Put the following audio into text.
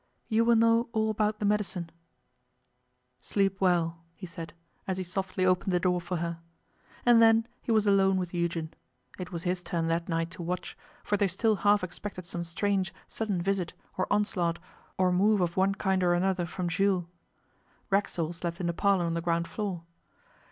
'You will know all about the medicine.' 'Sleep well,' he said, as he softly opened the door for her. And then he was alone with Eugen. It was his turn that night to watch, for they still half expected some strange, sudden visit, or onslaught, or move of one kind or another from Jules. Racksole slept in the parlour on the ground floor.